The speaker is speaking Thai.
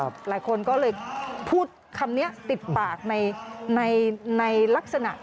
เพราะเลยพูดคำนี้ติดปากในลักษณะ